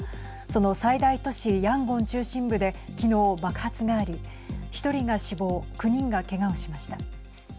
その最大都市、ヤンゴン中心部できのう、爆発があり１人が死亡９人がけがをしました。